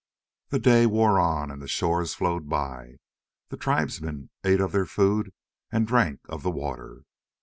The day wore on and the shores flowed by. The tribesmen ate of their food and drank of the river.